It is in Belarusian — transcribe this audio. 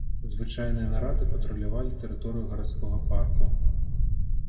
Звычайныя нарады патрулявалі тэрыторыю гарадскога парку.